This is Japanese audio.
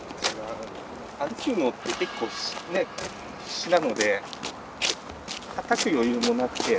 歩くのって結構必死なのでたたく余裕もなくて歩いてる。